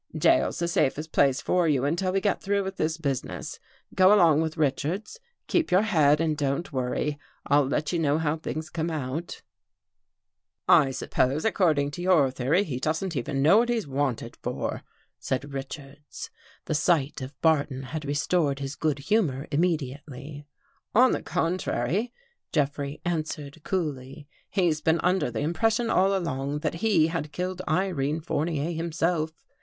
" Jail's the safest place for you until we get through with this business. Go along with Richards. Keep your head and don't worry. I'll let you know how things come out." 267 THE GHOST GIRL " I suppose, according to your theory, he doesn't even know what he's wanted for," said Richards. The sight of Barton had restored his good humor immediately. " On the contrary," Jeffrey answered coolly, " he's •been under the impression all along, that he had killed Irene Fournier himself.